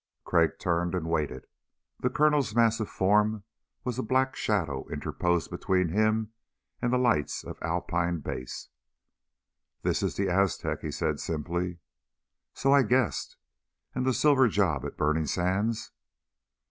Crag turned and waited. The Colonel's massive form was a black shadow interposed between him and the lights of Alpine Base. "This is the Aztec," he said simply. "So I guessed. And the silver job at Burning Sands?"